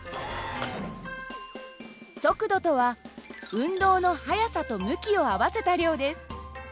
速度とは運動の速さと向きを合わせた量です。